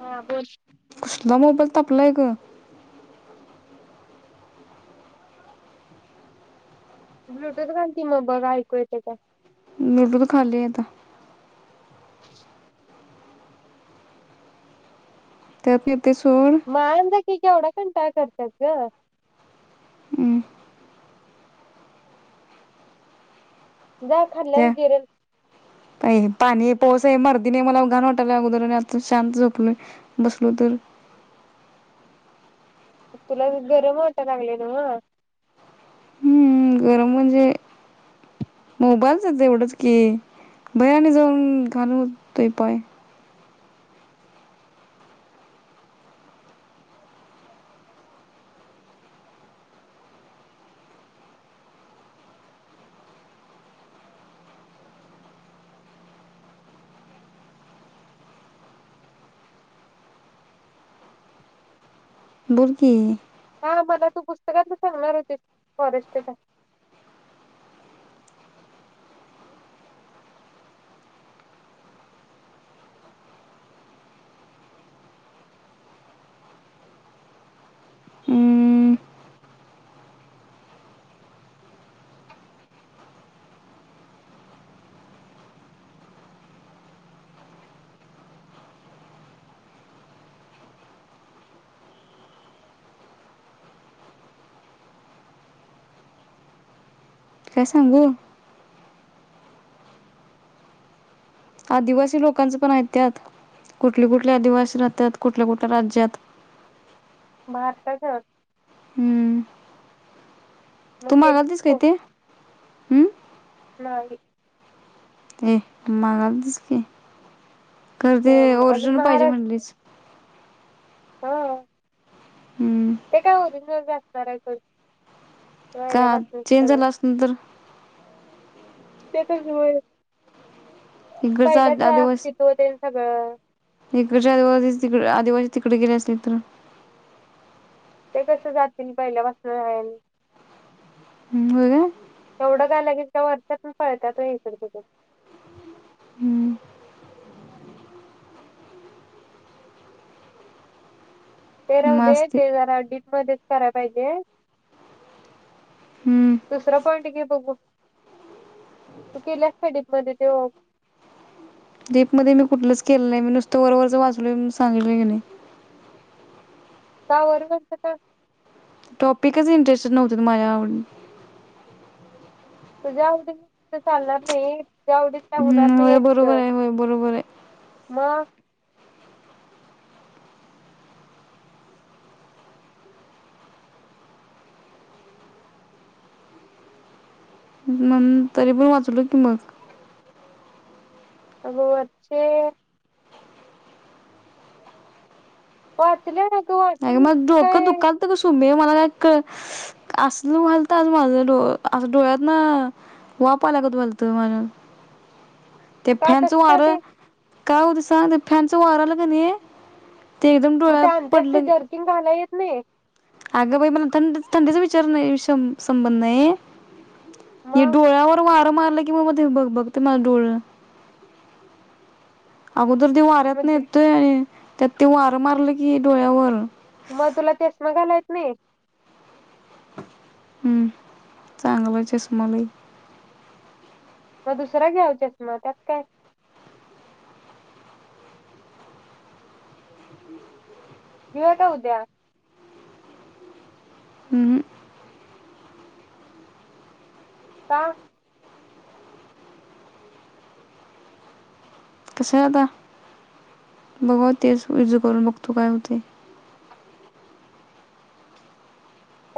हा बोल. कसला मोबाईल तापलाय ग. ब्लुटूथ घाल की मग बघा ऐकू येत का?. नूडूल खाल्ली आता. [unintelligible] म आन जा की केवडाक. पण काय करत्यात ग. हम्म. जा खाल्ल्याल जिरल. पाणीये पाऊसे मर्दीने मला घाण वाटायला अगोदर आणि आत्ता शांत झोपलय बसलोय तर तुला गरम वाटा लागल नवं. हम्म गरम म्हणजे मोबाईलचच एवढंच की बाहेर आणि जाऊन घाण होतय पाय. बोल की. हा मला तू पुस्तकाच सांगणार होतीस फॉरेस्टचा हम्म, काय सांगू?. आदिवासी लोकांचं पण आहेत त्यात कुठले कुठले आदिवासी राहतात कुठल्या कुठल्या राज्यात. भारतात. हम्म, तू मागलतीस काय ते?. हम्म. नाहीे. ए मागलतीस की. खरं ते ओरिजनल पाहिजे म्हणलीस. ह. हम्म. काय ओरिजनल बी असणारे सोड का पहिल्यापासून चेंज सगळं झाला असन तर. ते तरच होय. इकडचा पहिल्याच अस्तीत्व तेन सगळं इकडच्या आदिवासीच तिकड आदिवासी तिकडे गेले असले तर ते कसं जातील पहिल्यापासून हायण. होय काय?. तेवढ काय लगेच काय वर्षातंन पळत्यात होय इकडं तिकड. हम्म म तेराहूदे असते ते जरा डीप मध्ये कराय पाहिजे. हम्म दुसरा पॉईंट घे बघू. तु केल्यास काय डीप मध्ये ते ओ डीप मध्ये मी कुठलच केलं नाही मी नुसतं वर वरच वाचलोय म्हणून सांगितलय की नाही. का वरवरच का?. टॉपिकच इंटरेस्टड नव्हते माझ्या आव तुझ्या आवडी ईथ चालणार नाही, तुझ्या आवडी होय बरोबर आहे होय बरोबर आहे मग म तरी पण वाचलो की मग हो वच्छे पाहच आय मग डोकं दुकलतं ग सुमे मला का असल व्हलत आग माझ डोळं अस डोळ्यातनं वाफ आल्यागत व्हायलत माझ्या ते का फॅनच तस का वार ते काय होतंय सांग फॅन च वार आलं कणी ते एकदम मग डोळ्या ते आणत्यास ते पडलं जर्किंग घाला येत नाही अगं बाई मला थं थंडीचा विचार नाही संबंध नाही हे मग डोळ्यावर [inaudible] कि म म बघ बघ डळ [inaudible] वाऱ्यात मग ते- येतोय आणि त्यात ते वारं मारलं की डोळ्यावर मग तुला चष्मा घालायला येत नाही हम्म चांगलं चष्मा नाही मग दुसरं या चष्मा त्यात काय राहुदया हम हम का कस आता बघूया तेच [inaudible] करून बघतो काय होतय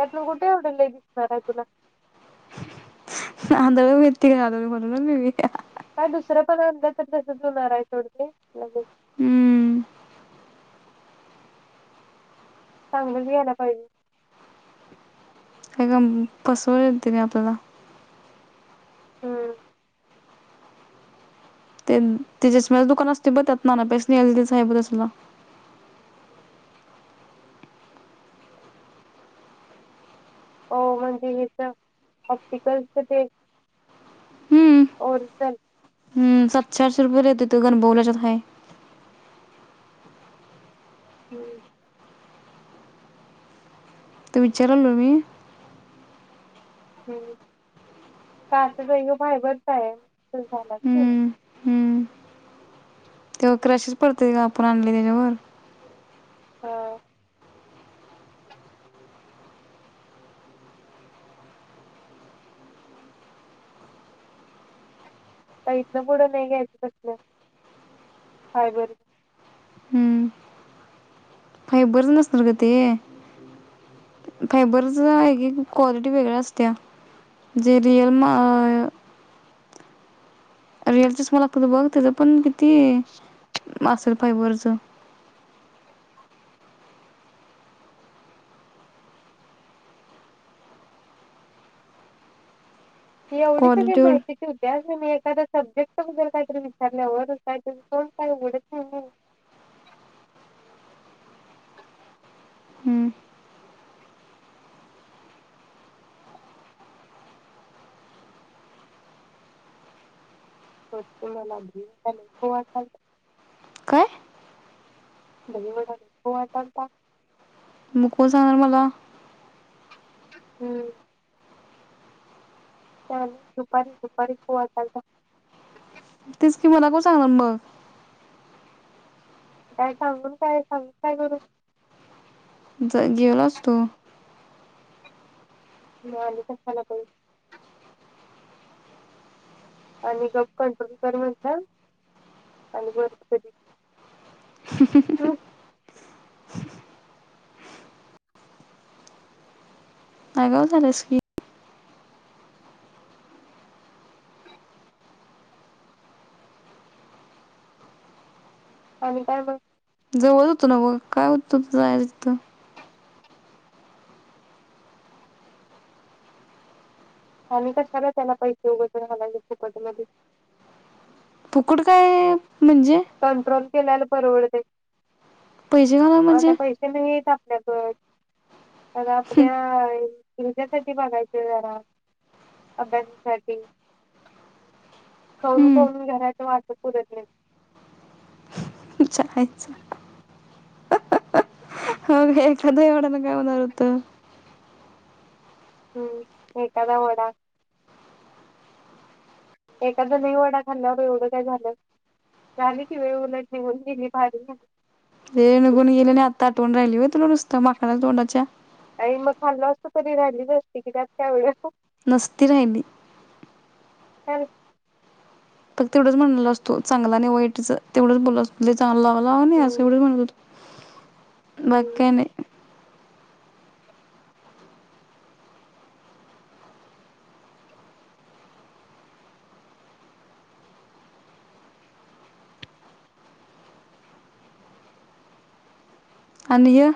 कुठ लई एवढं दिसणार आहे तुला [inaudible] काय दुसरं पण अंदा तर तसच होणार आहे ोडते लगेच हम्म चांगल बी यायला पाहिजे का का पसवून य त नाही आपल्याला हम्म ते चष्म्याच दुकान असतय बघ त्यातनं आणायला पाहिजे स्नेहल दीदीचा हाय बघ तसलं ओ म्हणजे इथं ऑप्टिकलच ते ओरिजनल हम् सातशठशे रुपये देत तू गण बवल्याच्या हय हम् त विचार म मी हम्म [unintelligible] त्यो क्रेसीस पडतय का आपण आणली त्याच्यावर होय काय इथन पुढं नाही घ्यायचं कसलं हाय बरबर हम्म फायबरच नसणार ग ते फायबरच आहे घे क्वालिटी वेगळ्या असत्या जे रिअल रिअल च मला लागत बघ त्याच पण किती असेल फायबरच एवढी सगळी क्वालिटी माहिती ठेवत्यातस आणि एखादा सब्जेक्ट वगैर काहीतरी विचारल्यावर काहीतरी सोड काढच नाही हम्म हो तु मला [unintelligible] काय दही वडा हो आत्ताच खा. मग कोण सांगणार मला. हम्म. त्या दुपारी दुपारी पोवा चालत. तेच की मला को सांगणार मग, काय सांगून काय सांगून काय गरू ज जेवलास तू, वालक सला [unintelligible] आणि गप कंट्रोल कर म्हटलं, आणि बररी हम अगाव झालंस की, आणि काय मग. जवळ होतंनव काय होतो. जाय थ आणि कशाला त्याला पैसे वगैरे हलायले फुकट मध्ये. फुकट काय. म्हणजे कंट्रोल केल्याल परवडत. पैसे घाला म्हणजे आता पैसे नाही येत ल आ आपल्या तुमच्यासाठी बघायच जरा अभ्याससाठी. खाऊन, हम्म खाऊन, घरात वाद पूरत ना [inaudible] यच होग एखाद्या एवड्याना काय होणार होत. हम्म, एक कादा एखादा नाही वडा खाल्ला एवढं काय झालं. झाली कि वेळ उलट निऊन ती भारी की. ते निघून गेले. आत्ता आठवण राहिली हो तुला नुसतं माकड तोंडाच्या, आणि मग खाल्लं असं तरी राहिलीच असती की, त्यात काय एवढं. नसती राहिली, ह फक्त एवढंच म्हणल असतो. चांगला नाही वाईटच तेवढंच बोल असत लई चांगला असं हम्म एवढं म्ह [inaudible] बाकी हम्म काय नाही. आणि य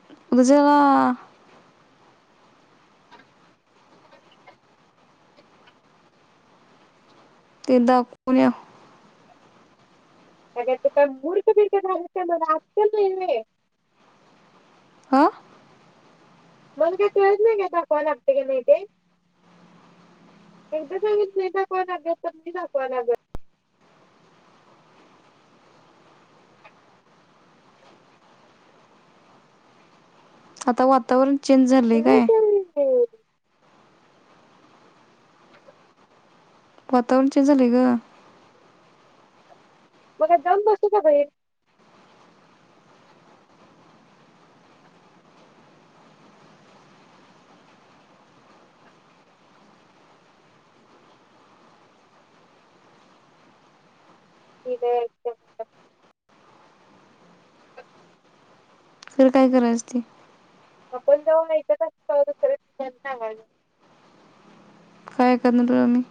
[unintelligible] ते दाखवून या. अग तू तर मूर्खबिरकं झालीस, मग अक्कल नाही आहे होय, हा. मण काय कळत नाही का दाखवा लागते का नाही ते, एकदा सांग नाही दाखवा लागत तर नही दाखवा लागत. आता वातावरण चेंज झालंय काय म [inaudible] वातावरण चेंज झालय ग, मग जाऊन बसूचा ख एक [unintelligible] तर काय करायचं ते? आपण जाऊ [unintelligible] काय करनार होय आमी.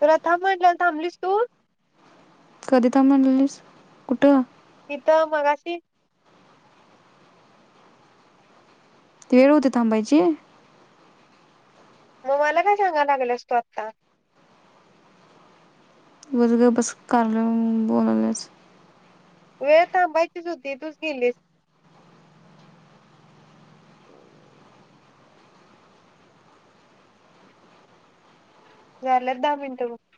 प्रथा म्हनल्यावर थांबलीस तू? [unintelligible] म्हनलेलीस कुठं? इथं मग अशी ती येळ होती थांबायची? मग मला काय सांगायला लागल्यास तु? आत्ता वाईच गप बस. काल अ बोलालाच वेळ थांबायचीच होद्ती तूच गेलीस झाल्यात दहा मिनटं बग.